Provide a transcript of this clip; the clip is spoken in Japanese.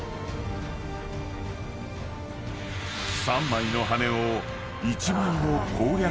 ［３枚の羽根を］